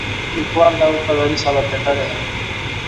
لیکوال دا وفاداري ثابته کړې ده.